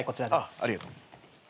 ありがとう。